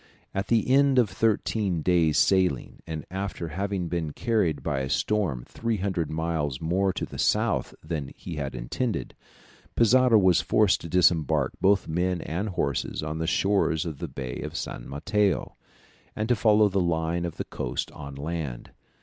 At the end of thirteen days' sailing, and after having been carried by a storm 300 miles more to the south than he had intended, Pizarro was forced to disembark both men and horses on the shores of the Bay of San Mateo, and to follow the line of the coast on land.